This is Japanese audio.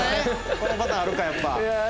このパターンあるかやっぱ。